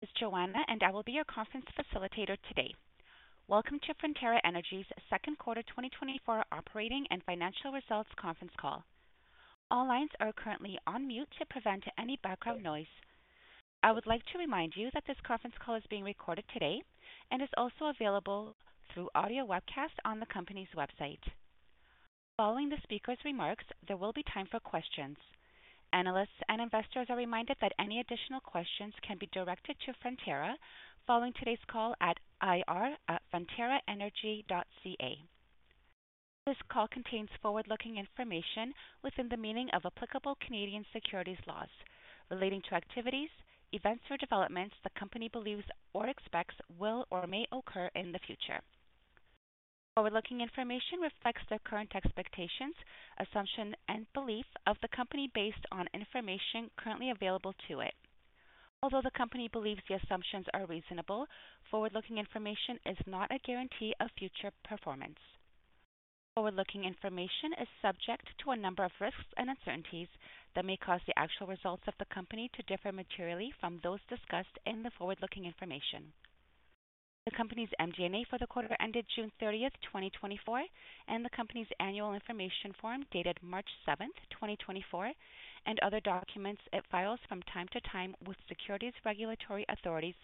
This is Joanna, and I will be your conference facilitator today. Welcome to Frontera Energy's second quarter 2024 operating and financial results conference call. All lines are currently on mute to prevent any background noise. I would like to remind you that this conference call is being recorded today and is also available through audio webcast on the company's website. Following the speaker's remarks, there will be time for questions. Analysts and investors are reminded that any additional questions can be directed to Frontera following today's call at ir@fronteraenergy.ca. This call contains forward-looking information within the meaning of applicable Canadian securities laws relating to activities, events, or developments the company believes or expects will or may occur in the future. Forward-looking information reflects the current expectations, assumption, and belief of the company based on information currently available to it. Although the company believes the assumptions are reasonable, forward-looking information is not a guarantee of future performance. Forward-looking information is subject to a number of risks and uncertainties that may cause the actual results of the company to differ materially from those discussed in the forward-looking information. The company's MD&A for the quarter ended June 30, 2024, and the company's annual information form dated March 7, 2024, and other documents it files from time to time with securities regulatory authorities,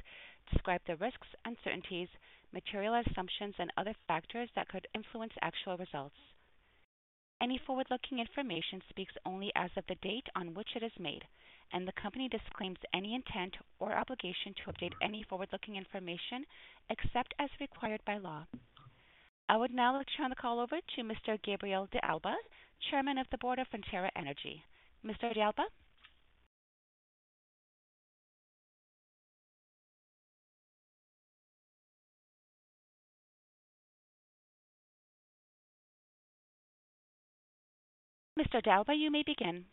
describe the risks, uncertainties, material assumptions and other factors that could influence actual results. Any forward-looking information speaks only as of the date on which it is made, and the company disclaims any intent or obligation to update any forward-looking information except as required by law. I would now turn the call over to Mr. Gabriel de Alba, Chairman of the Board of Frontera Energy. Mr. de Alba? Mr. de Alba, you may begin.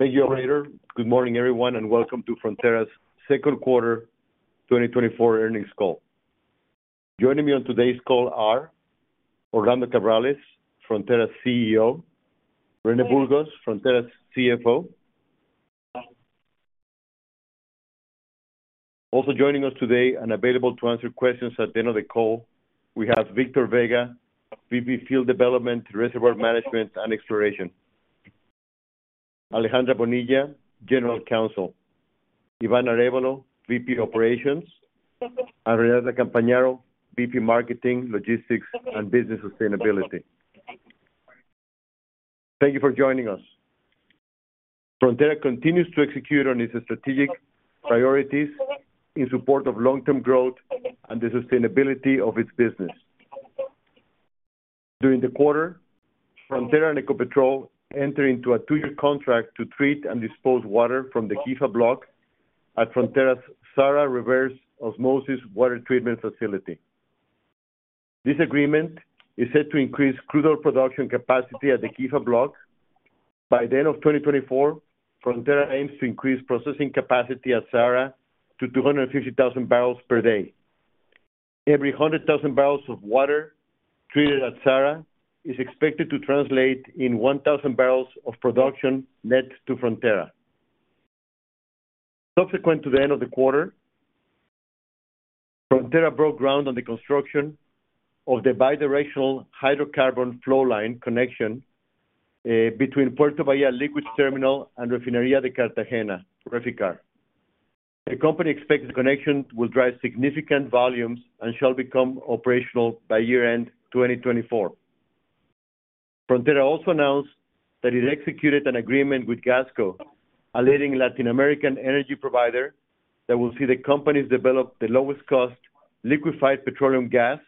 Thank you, operator. Good morning, everyone, and welcome to Frontera's second quarter 2024 earnings call. Joining me on today's call are Orlando Cabrales, Frontera's CEO; Rene Burgos, Frontera's CFO. Also joining us today and available to answer questions at the end of the call, we have Victor Vega, VP, Field Development, Reservoir Management, and Exploration; Alejandra Bonilla, General Counsel; Ivan Arevalo, VP, Operations; Maria Campuzano, VP, Marketing, Logistics, and Business Sustainability. Thank you for joining us. Frontera continues to execute on its strategic priorities in support of long-term growth and the sustainability of its business. During the quarter, Frontera and Ecopetrol enter into a 2-year contract to treat and dispose water from the Quifa Block at Frontera's SAARA Reverse Osmosis Water Treatment Facility. This agreement is set to increase crude oil production capacity at the Quifa Block. By the end of 2024, Frontera aims to increase processing capacity at SAARA to 250,000 barrels per day. Every 100,000 barrels of water treated at SAARA is expected to translate in 1,000 barrels of production net to Frontera. Subsequent to the end of the quarter, Frontera broke ground on the construction of the bidirectional hydrocarbon flow line connection between Puerto Bahía Liquid Terminal and Refinería de Cartagena, Reficar. The company expects the connection will drive significant volumes and shall become operational by year-end 2024. Frontera also announced that it executed an agreement with Gasco, a leading Latin American energy provider, that will see the companies develop the lowest cost liquefied petroleum gas,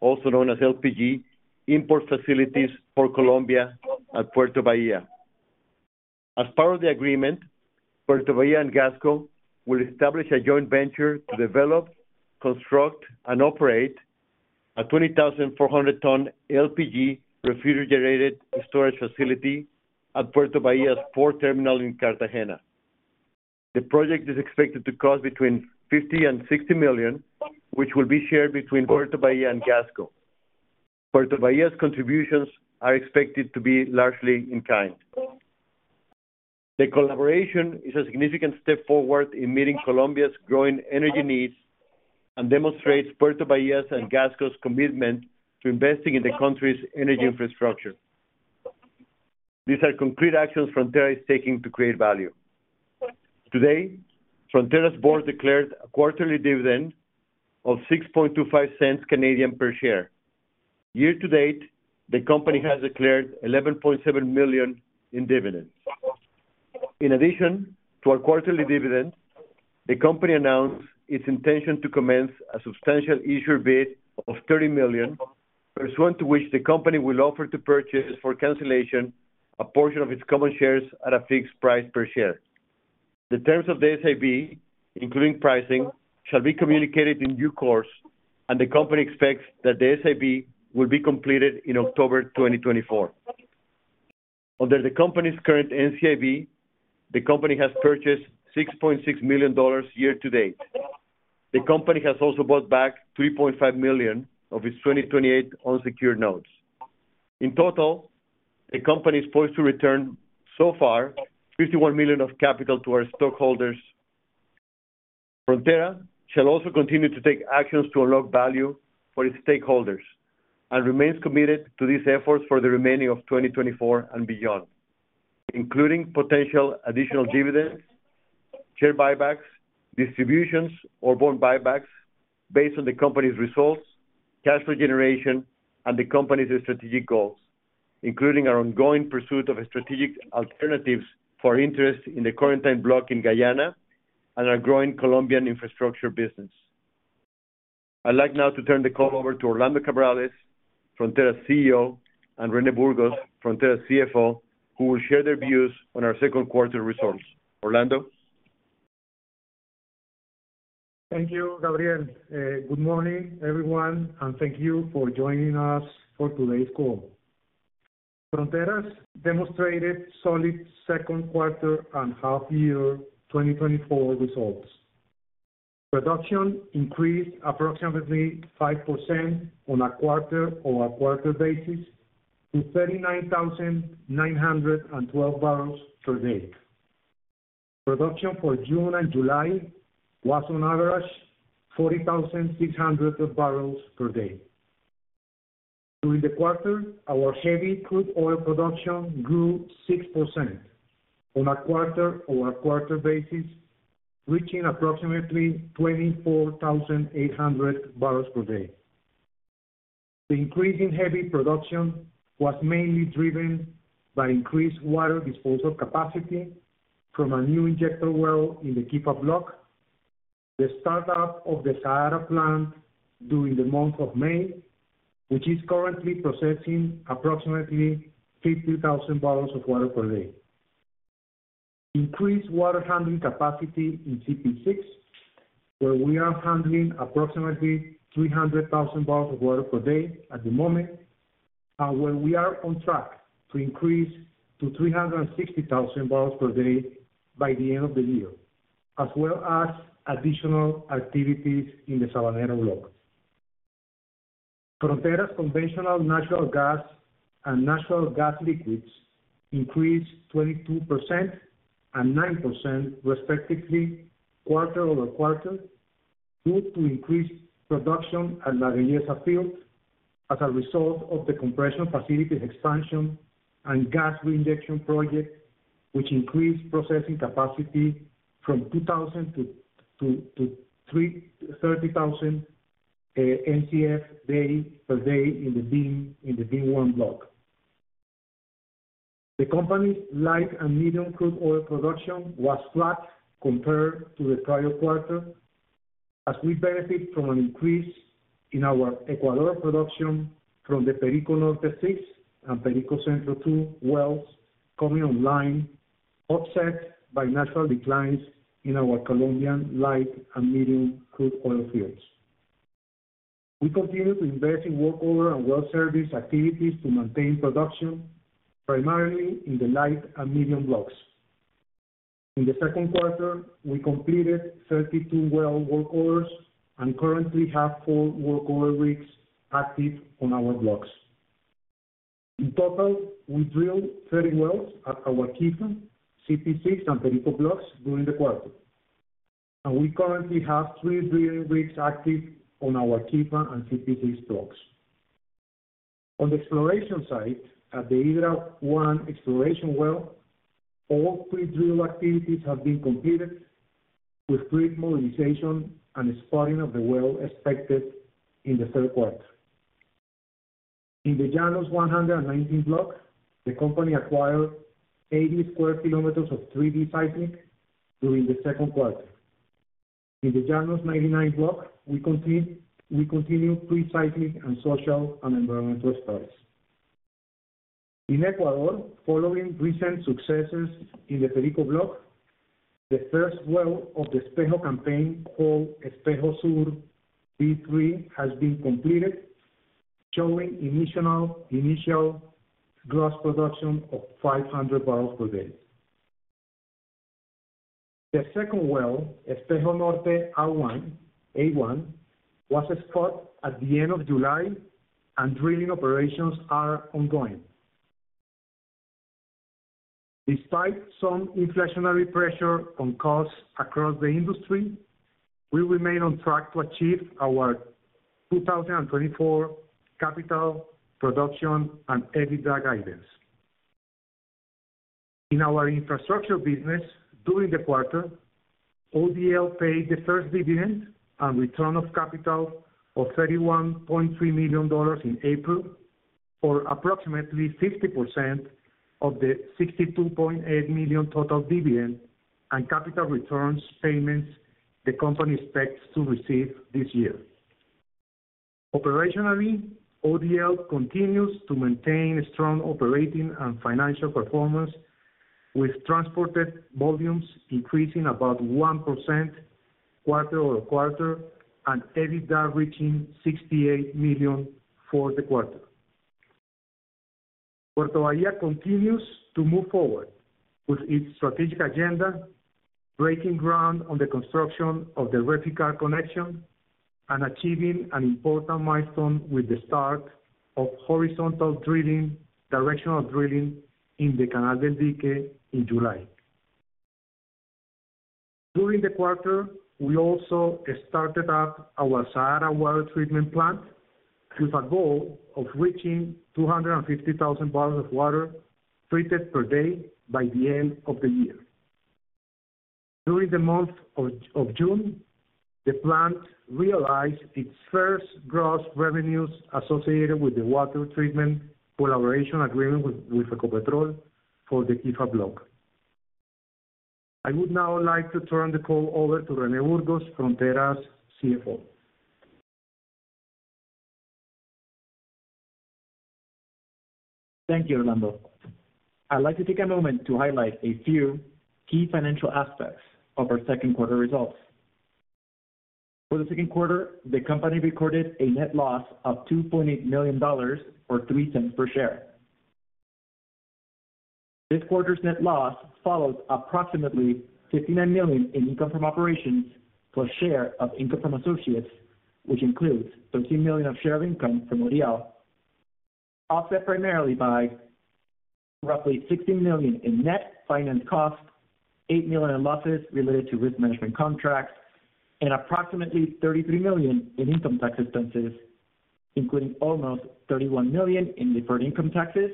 also known as LPG, import facilities for Colombia at Puerto Bahía. As part of the agreement, Puerto Bahía and Gasco will establish a joint venture to develop, construct, and operate a 20,400-ton LPG refrigerated storage facility at Puerto Bahía's port terminal in Cartagena. The project is expected to cost between $50 million and $60 million, which will be shared between Puerto Bahía and Gasco. Puerto Bahía's contributions are expected to be largely in kind. The collaboration is a significant step forward in meeting Colombia's growing energy needs, and demonstrates Puerto Bahía and Gasco's commitment to investing in the country's energy infrastructure. These are concrete actions Frontera is taking to create value. Today, Frontera's board declared a quarterly dividend of 0.0625 per share. Year to date, the company has declared 11.7 million in dividends. In addition to our quarterly dividend, the company announced its intention to commence a substantial issuer bid of $30 million, pursuant to which the company will offer to purchase for cancellation a portion of its common shares at a fixed price per share. The terms of the SAB, including pricing, shall be communicated in due course, and the company expects that the SAB will be completed in October 2024. Under the company's current NCIB, the company has purchased $6.6 million year to date. The company has also bought back $3.5 million of its 2028 unsecured notes. In total, the company is poised to return, so far, $51 million of capital to our stockholders. Frontera shall also continue to take actions to unlock value for its stakeholders, and remains committed to these efforts for the remaining of 2024 and beyond, including potential additional dividends, share buybacks, distributions, or bond buybacks based on the company's results, cash flow generation, and the company's strategic goals. Including our ongoing pursuit of strategic alternatives for interest in the Corentyne block in Guyana and our growing Colombian infrastructure business. I'd like now to turn the call over to Orlando Cabrales, Frontera's CEO, and Rene Burgos, Frontera's CFO, who will share their views on our second quarter results. Orlando? Thank you, Gabriel. Good morning, everyone, and thank you for joining us for today's call. Frontera's demonstrated solid second quarter and half year 2024 results. Production increased approximately 5% on a quarter-over-quarter basis to 39,912 barrels per day. Production for June and July was on average 40,600 barrels per day. During the quarter, our heavy crude oil production grew 6% on a quarter-over-quarter basis, reaching approximately 24,800 barrels per day. The increase in heavy production was mainly driven by increased water disposal capacity from a new injector well in the Quifa block, the startup of the SAARA plant during the month of May, which is currently processing approximately 50,000 barrels of water per day. Increased water handling capacity in CPE-6, where we are handling approximately 300,000 barrels of water per day at the moment, and where we are on track to increase to 360,000 barrels per day by the end of the year, as well as additional activities in the Sabaneta block. Frontera's conventional natural gas and natural gas liquids increased 22% and 9% respectively, quarter-over-quarter, due to increased production at La Llosa field as a result of the compression facility expansion and gas reinjection project, which increased processing capacity from 2,000 to 30,000 MCF per day in the VIM-1 block. The company's light and medium crude oil production was flat compared to the prior quarter, as we benefit from an increase in our Ecuador production from the Perico Norte six and Perico Centro two wells coming online, offset by natural declines in our Colombian light and medium crude oil fields. We continue to invest in workover and well service activities to maintain production, primarily in the light and medium blocks. In the second quarter, we completed 32 well workovers and currently have four workover rigs active on our blocks. In total, we drilled 30 wells at our Quifa, CP six, and Perico blocks during the quarter. We currently have three drilling rigs active on our Quifa and CP six blocks. On the exploration side, at the Hydra-1 exploration well, all pre-drill activities have been completed with rig mobilization and spotting of the well expected in the third quarter. In the Llanos 119 block, the company acquired 80 square kilometers of 3D seismic during the second quarter. In the Llanos 99 block, we continue pre-seismic and social and environmental studies. In Ecuador, following recent successes in the Perico block, the first well of the Espejo campaign, called Espejo Sur B3, has been completed, showing initial gross production of 500 barrels per day. The second well, Espejo Norte R1 A1, was spudded at the end of July, and drilling operations are ongoing. Despite some inflationary pressure on costs across the industry, we remain on track to achieve our 2024 capital production and EBITDA guidance. In our infrastructure business during the quarter, ODL paid the first dividend and return of capital of $31.3 million in April, or approximately 50% of the $62.8 million total dividend and capital returns payments the company expects to receive this year. Operationally, ODL continues to maintain strong operating and financial performance, with transported volumes increasing about 1% quarter-over-quarter and EBITDA reaching $68 million for the quarter. Puerto Bahía continues to move forward with its strategic agenda, breaking ground on the construction of the Reficar connection and achieving an important milestone with the start of horizontal drilling, directional drilling in the Canal del Dique in July. During the quarter, we also started up our SAARA water treatment plant, with a goal of reaching 250,000 barrels of water treated per day by the end of the year. During the month of June, the plant realized its first gross revenues associated with the water treatment collaboration agreement with Ecopetrol for the Quifa block. I would now like to turn the call over to Rene Burgos, Frontera's CFO. Thank you, Orlando. I'd like to take a moment to highlight a few key financial aspects of our second quarter results. For the second quarter, the company recorded a net loss of $2.8 million, or $0.03 per share. This quarter's net loss follows approximately $59 million in income from operations, plus share of income from associates, which includes $13 million of share of income from ODL, offset primarily by roughly $16 million in net finance costs, $8 million in losses related to risk management contracts, and approximately $33 million in income tax expenses, including almost $31 million in deferred income taxes,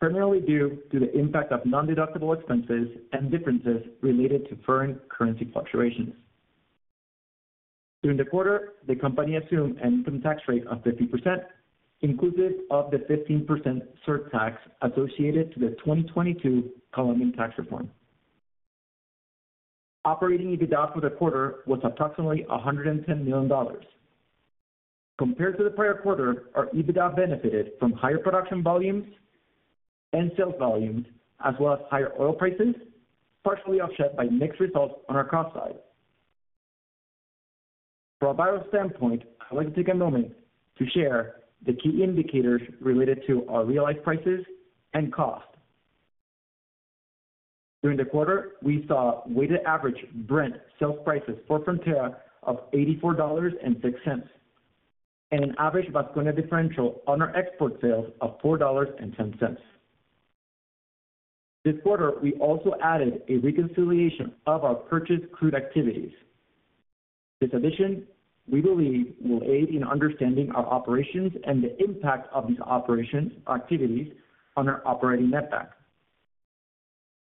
primarily due to the impact of nondeductible expenses and differences related to foreign currency fluctuations. During the quarter, the company assumed an income tax rate of 50%, inclusive of the 15% surtax associated with the 2022 Colombian tax reform. Operating EBITDA for the quarter was approximately $110 million. Compared to the prior quarter, our EBITDA benefited from higher production volumes and sales volumes, as well as higher oil prices, partially offset by mixed results on our cost side. From a financial standpoint, I'd like to take a moment to share the key indicators related to our realized prices and costs. During the quarter, we saw weighted average Brent sales prices for Frontera of $84.06, and an average Vasconia differential on our export sales of $4.10. This quarter, we also added a reconciliation of our purchased crude activities. This addition, we believe, will aid in understanding our operations and the impact of these operations activities on our operating netback.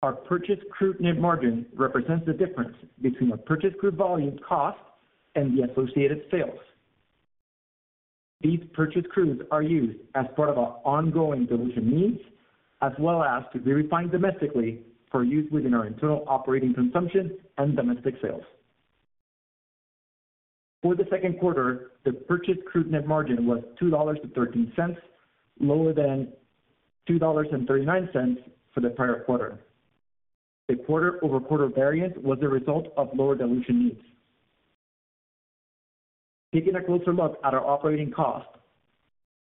Our purchased crude net margin represents the difference between a purchased crude volume cost and the associated sales. These purchased crudes are used as part of our ongoing dilution needs, as well as to be refined domestically for use within our internal operating consumption and domestic sales. For the second quarter, the purchased crude net margin was $2.13, lower than $2.39 for the prior quarter. The quarter-over-quarter variance was a result of lower dilution needs. Taking a closer look at our operating costs,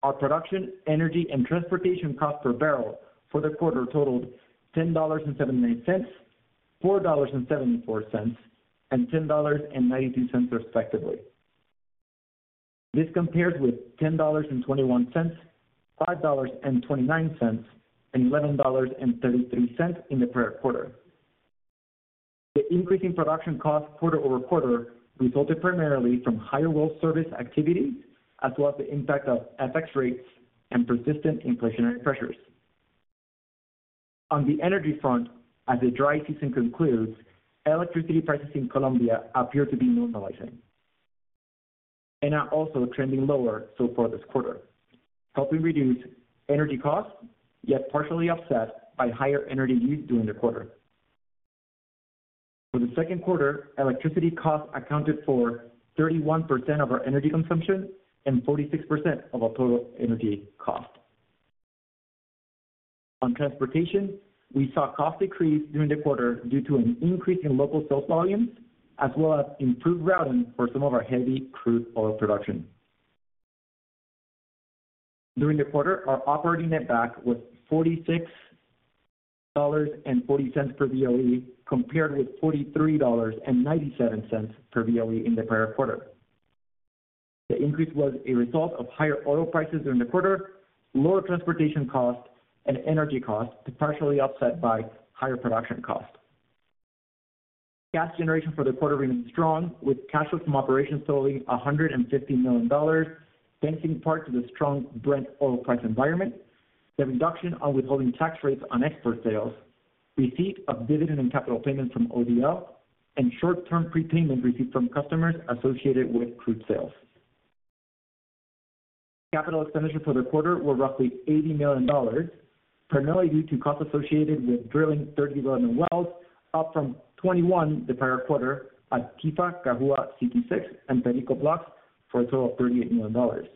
our production, energy, and transportation cost per barrel for the quarter totaled $10.79, $4.74, and $10.92, respectively. This compared with $10.21, $5.29, and $11.33 in the prior quarter. The increase in production costs quarter-over-quarter resulted primarily from higher well service activity, as well as the impact of FX rates and persistent inflationary pressures. On the energy front, as the dry season concludes, electricity prices in Colombia appear to be normalizing, and are also trending lower so far this quarter, helping reduce energy costs, yet partially offset by higher energy use during the quarter. For the second quarter, electricity costs accounted for 31% of our energy consumption and 46% of our total energy costs. On transportation, we saw cost decrease during the quarter due to an increase in local sales volumes, as well as improved routing for some of our heavy crude oil production. During the quarter, our operating netback was $46.40 per BOE, compared with $43.97 per BOE in the prior quarter. The increase was a result of higher oil prices during the quarter, lower transportation costs and energy costs, partially offset by higher production costs. Cash generation for the quarter remains strong, with cash flow from operations totaling $150 million, thanks in part to the strong Brent oil price environment, the reduction on withholding tax rates on export sales, receipt of dividend and capital payments from ODL, and short-term prepayments received from customers associated with crude sales. Capital expenditures for the quarter were roughly $80 million, primarily due to costs associated with drilling 31 wells, up from 21 the prior quarter at Quifa, Cajua, CPE-6, and Perico Blocks, for a total of $38 million.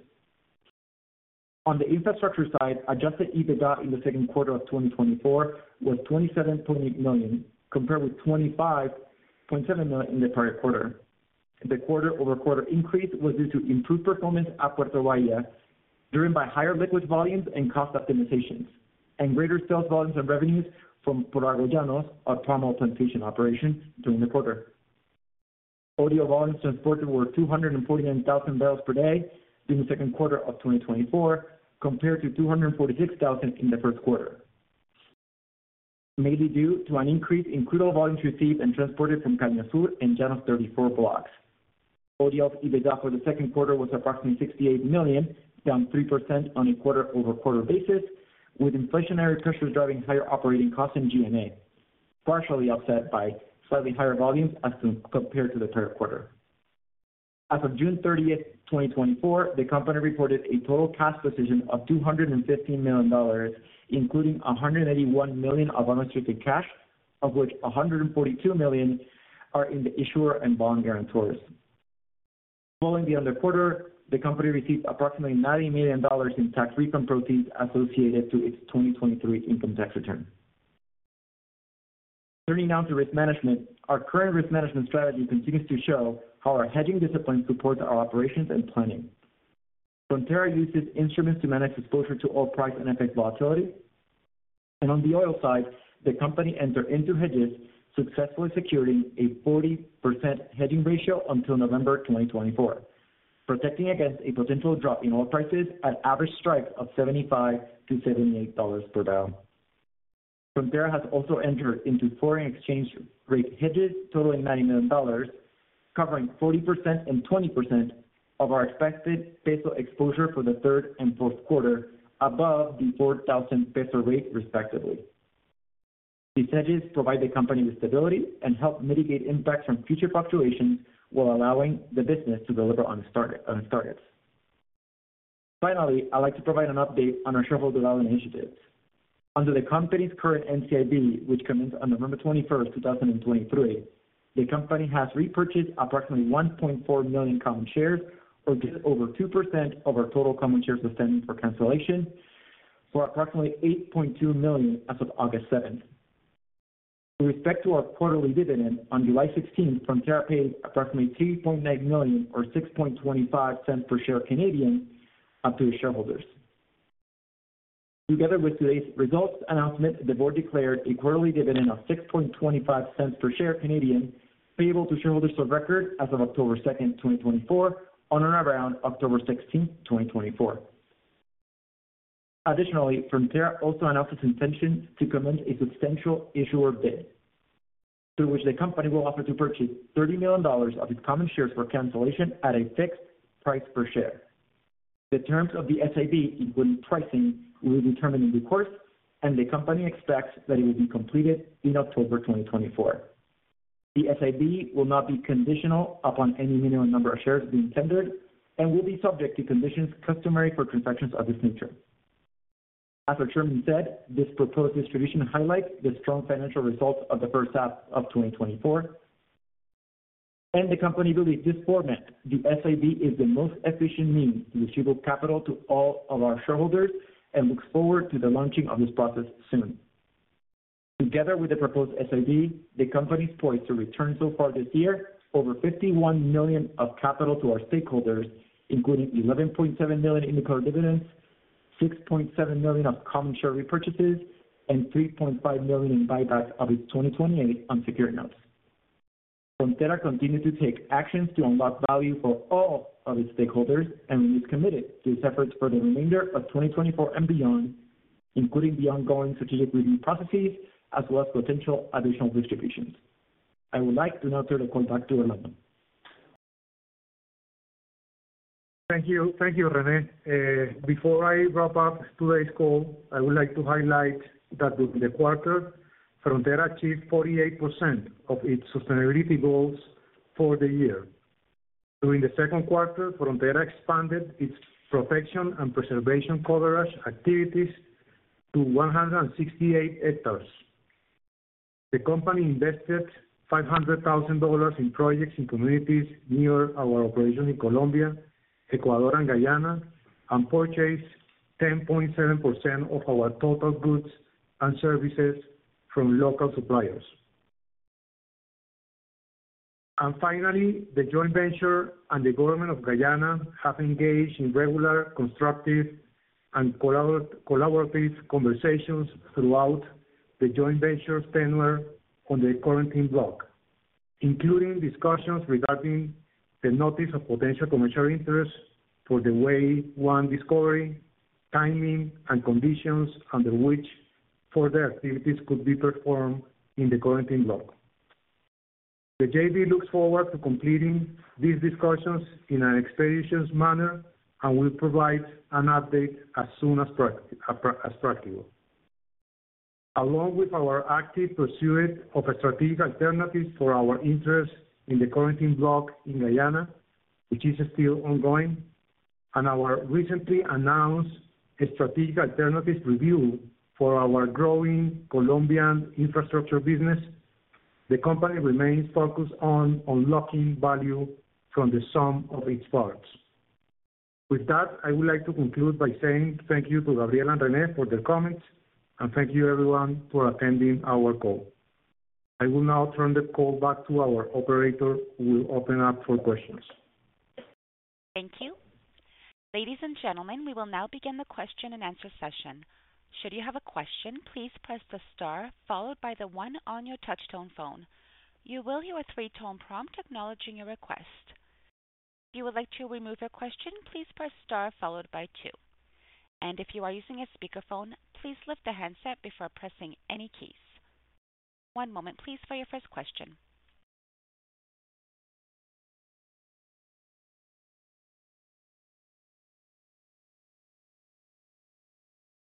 On the infrastructure side, adjusted EBITDA in the second quarter of 2024 was $27.8 million, compared with $25.7 million in the prior quarter. The quarter-over-quarter increase was due to improved performance at Puerto Bahía, driven by higher liquid volumes and cost optimizations, and greater sales volumes and revenues from ProAgrollanos, our palm oil plantation operation during the quarter. ODL volumes transported were 249,000 barrels per day during the second quarter of 2024, compared to 246,000 in the first quarter, mainly due to an increase in crude oil volumes received and transported from Caño Sur and Llanos 34 blocks. ODL's EBITDA for the second quarter was approximately $68 million, down 3% on a quarter-over-quarter basis, with inflationary pressures driving higher operating costs in G&A, partially offset by slightly higher volumes as compared to the third quarter. As of June 30, 2024, the company reported a total cash position of $215 million, including $181 million of unrestricted cash, of which $142 million are in the issuer and bond guarantors. Following the other quarter, the company received approximately $90 million in tax refund proceeds associated to its 2023 income tax return. Turning now to risk management. Our current risk management strategy continues to show how our hedging discipline supports our operations and planning. Frontera uses instruments to manage exposure to oil price and FX volatility, and on the oil side, the company entered into hedges, successfully securing a 40% hedging ratio until November 2024, protecting against a potential drop in oil prices at average strike of $75-$78 per barrel. Frontera has also entered into foreign exchange rate hedges totaling $90 million, covering 40% and 20% of our expected peso exposure for the third and fourth quarter, above the 4,000 COP rate, respectively. These hedges provide the company with stability and help mitigate impacts from future fluctuations, while allowing the business to deliver on its target, on its targets. Finally, I'd like to provide an update on our shareholder value initiatives. Under the company's current NCIB, which commenced on November 21, 2023, the company has repurchased approximately 1.4 million common shares, or just over 2% of our total common shares outstanding for cancellation, for approximately $8.2 million as of August 7. With respect to our quarterly dividend, on July 16th, Frontera paid approximately 2.9 million, or 0.0625 per share, up to the shareholders. Together with today's results announcement, the board declared a quarterly dividend of 0.0625 per share, payable to shareholders of record as of October 2nd, 2024, on or around October 16th, 2024. Additionally, Frontera also announced its intention to commence a substantial issuer bid, through which the company will offer to purchase 30 million dollars of its common shares for cancellation at a fixed price per share. The terms of the SIB, including pricing, will be determined in due course, and the company expects that it will be completed in October 2024. The SIB will not be conditional upon any minimum number of shares being tendered and will be subject to conditions customary for transactions of this nature. As our Chairman said, this proposed distribution highlights the strong financial results of the first half of 2024, and the company believes this format, the SIB, is the most efficient means to distribute capital to all of our shareholders and looks forward to the launching of this process soon. Together with the proposed SIB, the company is poised to return so far this year over $51 million of capital to our stakeholders, including $11.7 million in dividends, $6.7 million of common share repurchases, and $3.5 million in buybacks of its 2028 unsecured notes. Frontera continues to take actions to unlock value for all of its stakeholders, and remains committed to its efforts for the remainder of 2024 and beyond, including the ongoing strategic review processes, as well as potential additional distributions. I would like to now turn the call back to Armando. Thank you. Thank you, René. Before I wrap up today's call, I would like to highlight that during the quarter, Frontera achieved 48% of its sustainability goals for the year. During the second quarter, Frontera expanded its protection and preservation coverage activities to 168 hectares. The company invested $500,000 in projects in communities near our operation in Colombia, Ecuador, and Guyana, and purchased 10.7% of our total goods and services from local suppliers. And finally, the joint venture and the government of Guyana have engaged in regular, constructive, and collaborative conversations throughout the joint venture's tenure on the Corentyne block, including discussions regarding the notice of potential commercial interest for the wave one discovery, timing, and conditions under which further activities could be performed in the Corentyne block. The JV looks forward to completing these discussions in an expeditious manner and will provide an update as soon as practical. Along with our active pursuit of strategic alternatives for our interest in the Corentyne Block in Guyana, which is still ongoing, and our recently announced strategic alternatives review for our growing Colombian infrastructure business, the company remains focused on unlocking value from the sum of its parts. With that, I would like to conclude by saying thank you to Gabriel and Rene for their comments, and thank you everyone for attending our call. I will now turn the call back to our operator, who will open up for questions. Thank you. Ladies and gentlemen, we will now begin the question and answer session. Should you have a question, please press the star followed by the one on your touchtone phone. You will hear a three-tone prompt acknowledging your request. If you would like to remove your question, please press star followed by two. And if you are using a speakerphone, please lift the handset before pressing any keys. One moment, please, for your first question.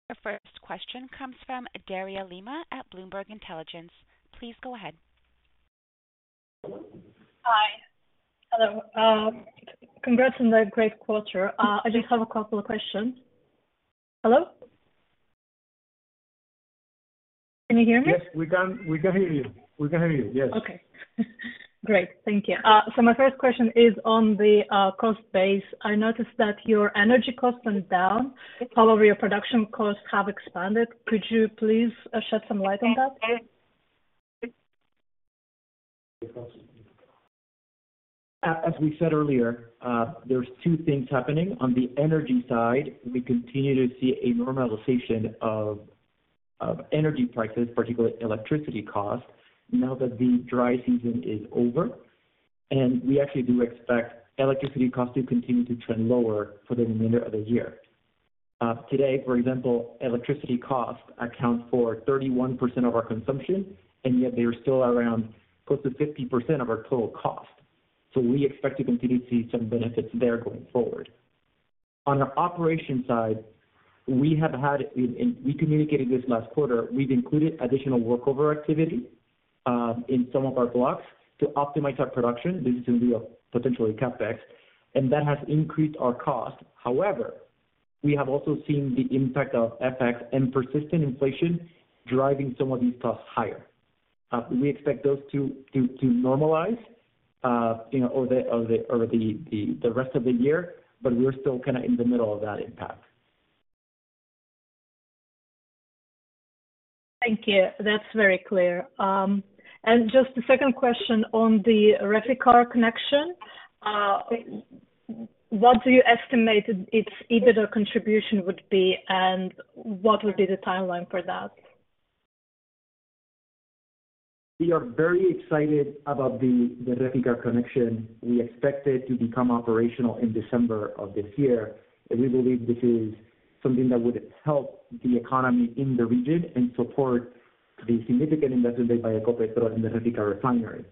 Your first question comes from Daria Lima at Bloomberg Intelligence. Please go ahead. Hi. Hello. Congrats on the great quarter. I just have a couple of questions. Hello? Can you hear me? Yes, we can, we can hear you. We can hear you, yes. Okay. Great. Thank you. So my first question is on the cost base. I noticed that your energy costs went down; however, your production costs have expanded. Could you please shed some light on that? As we said earlier, there's two things happening. On the energy side, we continue to see a normalization of energy prices, particularly electricity costs, now that the dry season is over. And we actually do expect electricity costs to continue to trend lower for the remainder of the year. Today, for example, electricity costs account for 31% of our consumption, and yet they are still around close to 50% of our total cost. So we expect to continue to see some benefits there going forward. On the operation side, we have had, and we communicated this last quarter, we've included additional workover activity in some of our blocks to optimize our production. This is going to be a potentially CapEx, and that has increased our cost. However, we have also seen the impact of FX and persistent inflation driving some of these costs higher. We expect those to normalize, you know, over the rest of the year, but we are still kind of in the middle of that impact. Thank you. That's very clear. Just the second question on the Reficar connection. What do you estimate its EBITDA contribution would be, and what would be the timeline for that? We are very excited about the, the Reficar connection. We expect it to become operational in December of this year, and we believe this is something that would help the economy in the region and support the significant investment made by Ecopetrol in the Reficar refinery.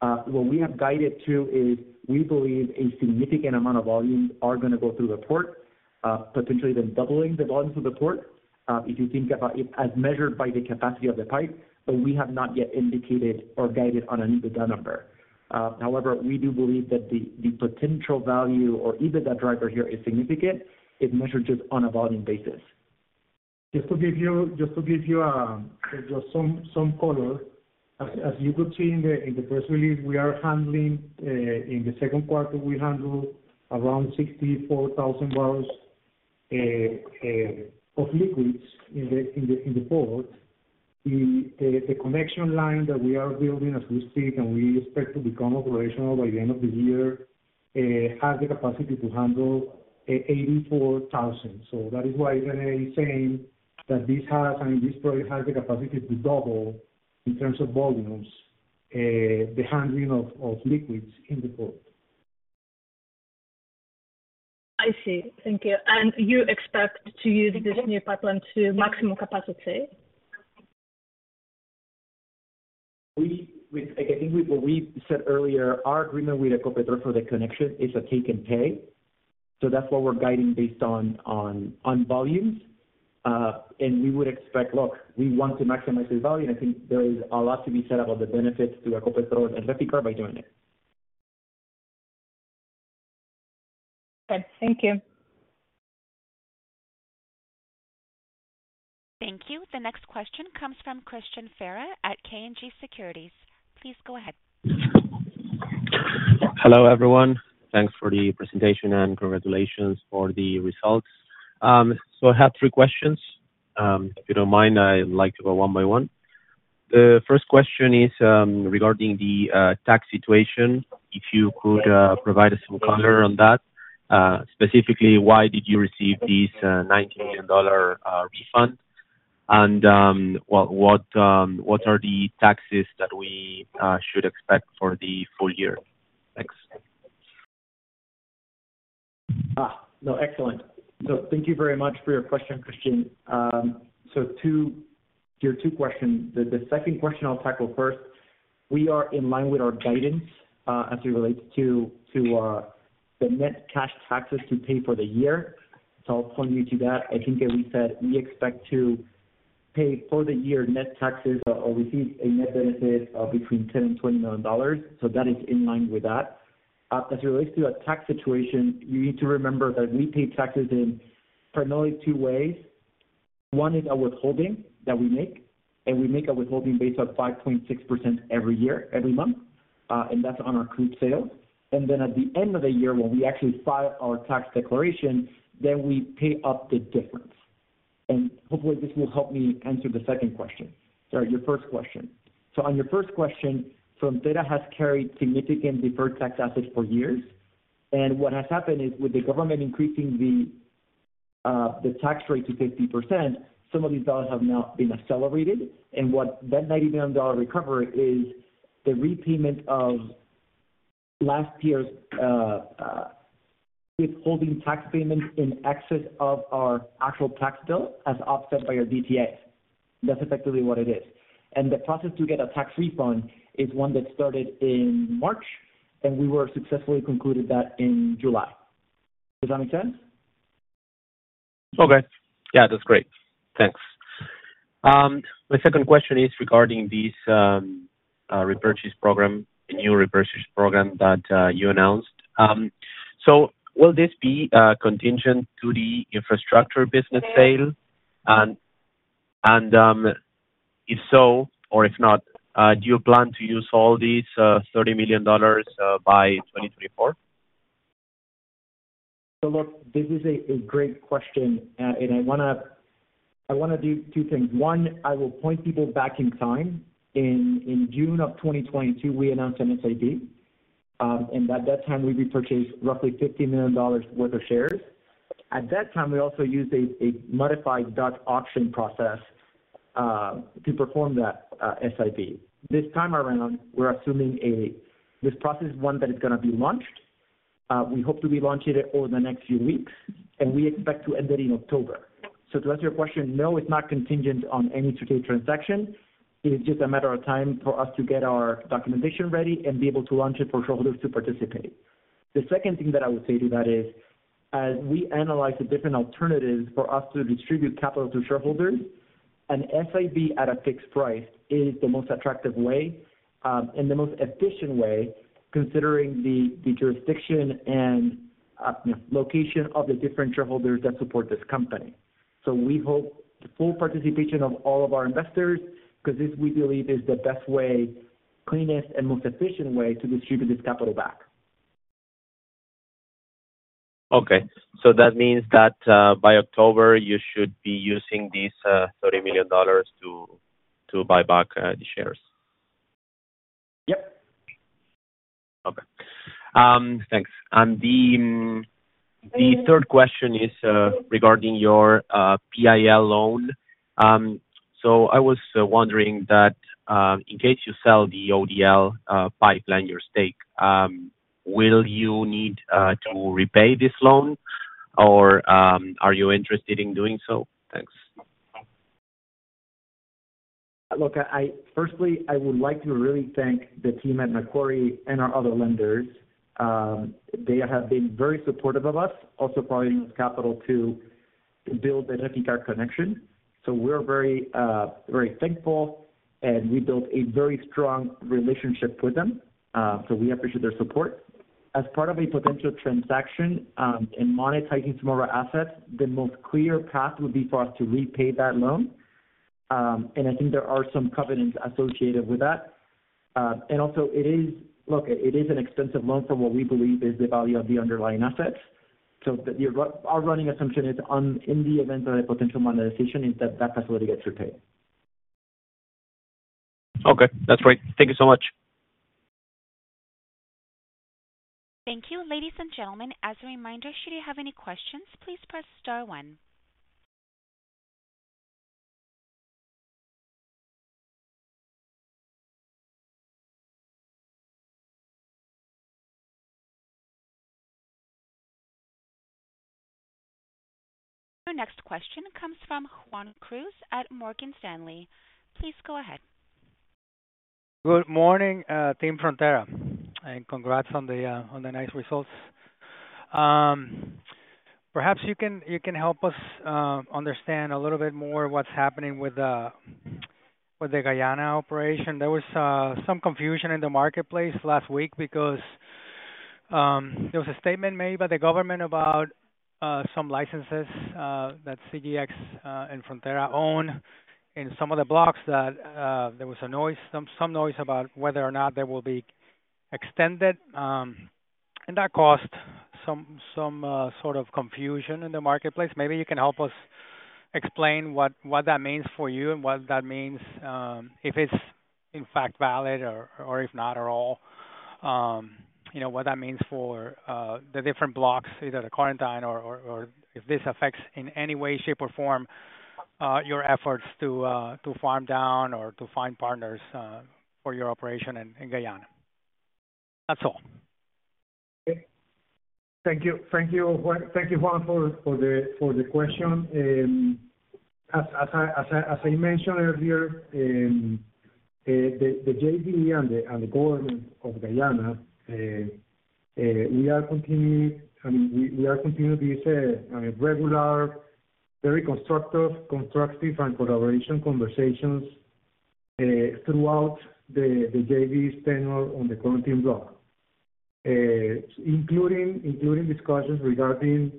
What we have guided to is, we believe a significant amount of volumes are gonna go through the port, potentially even doubling the volumes of the port, if you think about it as measured by the capacity of the pipe, but we have not yet indicated or guided on an EBITDA number. However, we do believe that the, the potential value or EBITDA driver here is significant. It measures it on a volume basis. Just to give you some color, as you could see in the press release, we are handling. In the second quarter, we handled around 64,000 barrels of liquids in the port. The connection line that we are building, as we speak, and we expect to become operational by the end of the year, has the capacity to handle 84,000. So that is why Rene is saying that this has, I mean, this project has the capacity to double in terms of volumes, the handling of liquids in the port. I see. Thank you. And you expect to use this new pipeline to maximum capacity? I think with what we said earlier, our agreement with Ecopetrol for the connection is a take-and-pay, so that's what we're guiding based on volumes. And we would expect... Look, we want to maximize the value, and I think there is a lot to be said about the benefits to Ecopetrol and Reficar by doing it.... Good. Thank you. Thank you. The next question comes from Christian Farah at KNG Securities. Please go ahead. Hello, everyone. Thanks for the presentation, and congratulations for the results. So I have three questions. If you don't mind, I'd like to go one by one. The first question is regarding the tax situation. If you could provide us some color on that. Specifically, why did you receive this $90 million dollar refund? And what are the taxes that we should expect for the full year? Thanks. Ah, no, excellent. So thank you very much for your question, Christian. So two, your two questions, the second question I'll tackle first. We are in line with our guidance, as it relates to the net cash taxes to pay for the year. So I'll point you to that. I think that we said we expect to pay for the year net taxes or receive a net benefit of between $10 million and $20 million, so that is in line with that. As it relates to a tax situation, you need to remember that we pay taxes in primarily two ways. One is a withholding that we make, and we make a withholding based on 5.6% every year, every month, and that's on our crude sales. And then at the end of the year, when we actually file our tax declaration, then we pay up the difference. And hopefully this will help me answer the second question, or your first question. So on your first question, Frontera has carried significant deferred tax assets for years, and what has happened is, with the government increasing the tax rate to 50%, some of these dollars have now been accelerated, and what that $90 million recovery is the repayment of last year's withholding tax payments in excess of our actual tax bill, as offset by our DTA. That's effectively what it is. And the process to get a tax refund is one that started in March, and we were successfully concluded that in July. Does that make sense? Okay. Yeah, that's great. Thanks. My second question is regarding this repurchase program, the new repurchase program that you announced. So will this be contingent to the infrastructure business sale? And, if so, or if not, do you plan to use all these $30 million by 2024? So look, this is a great question. And I wanna do two things. One, I will point people back in time. In June of 2022, we announced a SIB, and at that time we repurchased roughly $50 million worth of shares. At that time, we also used a modified Dutch auction process to perform that SIB. This time around, this process is one that is gonna be launched. We hope to be launching it over the next few weeks, and we expect to end it in October. So to answer your question, no, it's not contingent on any today transaction. It is just a matter of time for us to get our documentation ready and be able to launch it for shareholders to participate. The second thing that I would say to that is, as we analyze the different alternatives for us to distribute capital to shareholders, a SIB at a fixed price is the most attractive way, and the most efficient way, considering the jurisdiction and location of the different shareholders that support this company. So we hope the full participation of all of our investors, 'cause this, we believe, is the best way, cleanest and most efficient way to distribute this capital back. Okay, that means that by October, you should be using these $30 million to buy back the shares? Yep. Okay. Thanks. And the third question is regarding your PIL loan. So I was wondering that in case you sell the ODL pipeline, your stake, will you need to repay this loan, or are you interested in doing so? Thanks. Look, I, firstly, I would like to really thank the team at Macquarie and our other lenders. They have been very supportive of us, also providing us capital to build the Reficar connection. So we're very, very thankful, and we built a very strong relationship with them, so we appreciate their support. As part of a potential transaction, and monetizing some of our assets, the most clear path would be for us to repay that loan. And I think there are some covenants associated with that. And also it is. Look, it is an extensive loan from what we believe is the value of the underlying assets. So, our running assumption is, in the event of a potential monetization, that that facility gets repaid. Okay. That's great. Thank you so much. Thank you. Ladies and gentlemen, as a reminder, should you have any questions, please press star one. Our next question comes from Juan Cruz at Morgan Stanley. Please go ahead. Good morning, team Frontera, and congrats on the, on the nice results. Perhaps you can, you can help us, understand a little bit more what's happening with the, with the Guyana operation. There was, some confusion in the marketplace last week because, there was a statement made by the government about, some licenses, that CGX, and Frontera own in some of the blocks, that, there was a noise, some, some noise about whether or not they will be extended. And that caused some, some, sort of confusion in the marketplace. Maybe you can help us explain what, what that means for you and what that means, if it's in fact valid or, or if not at all. You know, what that means for the different blocks, either the Corentyne or if this affects in any way, shape, or form your efforts to farm down or to find partners for your operation in Guyana. That's all. Thank you. Thank you, Juan. Thank you, Juan, for the question. As I mentioned earlier, the JV and the government of Guyana, we are continuing, I mean, we are continuing these on a regular, very constructive and collaborative conversations throughout the JV's tenure on the Corentyne block. Including discussions regarding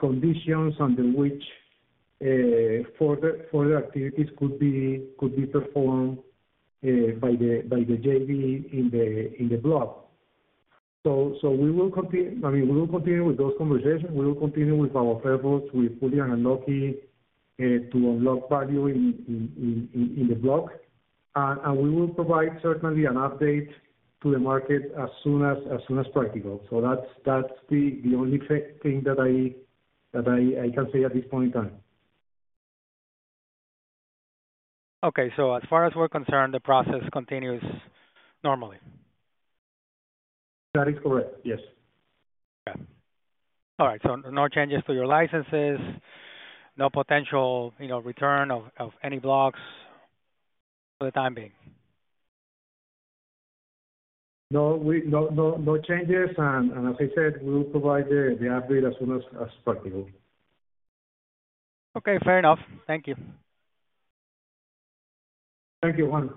conditions under which further activities could be performed by the JV in the block. So, I mean, we will continue with those conversations. We will continue with our efforts with Frontera and CGX to unlock value in the block. And we will certainly provide an update to the market as soon as practical. So that's the only thing that I can say at this point in time. Okay. So as far as we're concerned, the process continues normally? That is correct, yes. Okay. All right, so no changes to your licenses, no potential, you know, return of any blocks for the time being? No, no, no changes, and as I said, we will provide the update as soon as possible. Okay, fair enough. Thank you. Thank you, Juan.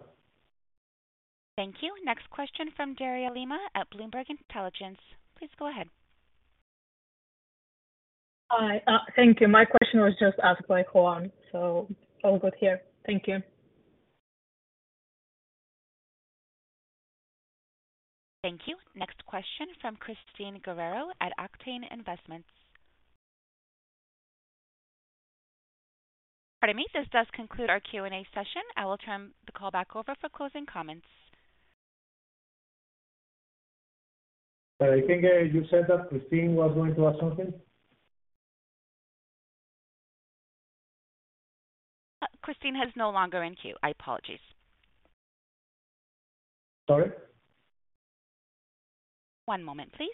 Thank you. Next question from Daria Lima at Bloomberg Intelligence. Please go ahead. Hi, thank you. My question was just asked by Juan, so all good to hear. Thank you. Thank you. Next question from Christine Guerrero at Octane Investments. Pardon me, this does conclude our Q&A session. I will turn the call back over for closing comments. I think you said that Christine was going to ask something? Christine has no longer in queue. I apologize. Sorry? One moment, please.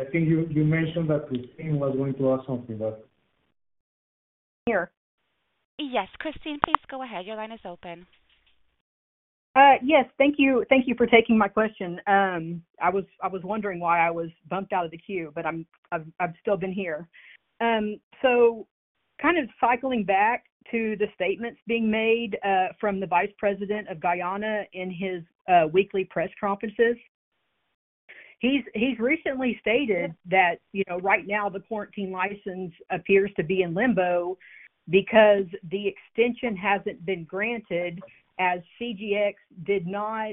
I think you, you mentioned that Christine was going to ask something, but- Here. Yes, Christine, please go ahead. Your line is open. Yes, thank you. Thank you for taking my question. I was wondering why I was bumped out of the queue, but I'm, I've still been here. So kind of cycling back to the statements being made from the Vice President of Guyana in his weekly press conferences. He's recently stated that, you know, right now the Corentyne license appears to be in limbo because the extension hasn't been granted, as CGX did not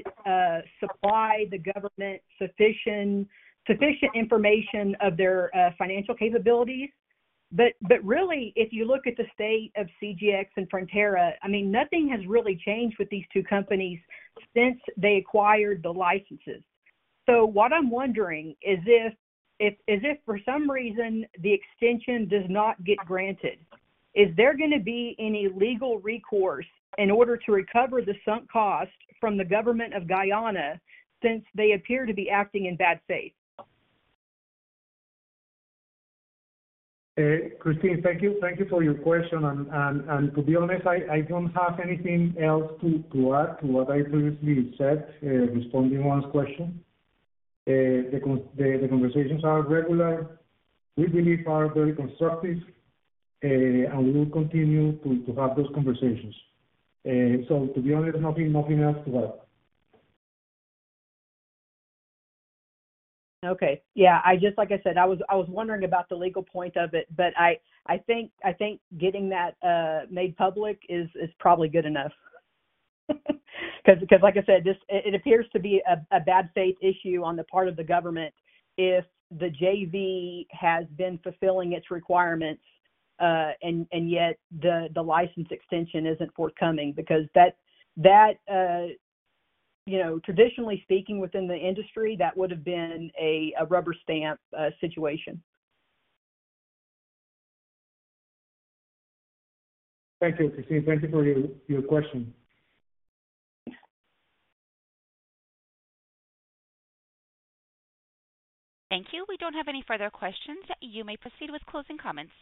supply the government sufficient information of their financial capabilities. But really, if you look at the state of CGX and Frontera, I mean, nothing has really changed with these two companies since they acquired the licenses. What I'm wondering is if for some reason the extension does not get granted, is there gonna be any legal recourse in order to recover the sunk cost from the government of Guyana, since they appear to be acting in bad faith? Christine, thank you. Thank you for your question. To be honest, I don't have anything else to add to what I previously said, responding to Juan's question. The conversations are regular. We believe are very constructive, and we will continue to have those conversations. So to be honest, nothing else to add. Okay. Yeah, I just, like I said, I was wondering about the legal point of it, but I think getting that made public is probably good enough. Because, like I said, this, it appears to be a bad faith issue on the part of the government if the JV has been fulfilling its requirements, and yet the license extension isn't forthcoming. Because that, you know, traditionally speaking, within the industry, that would have been a rubber stamp situation. Thank you, Christine. Thank you for your, your question. Thank you. We don't have any further questions. You may proceed with closing comments.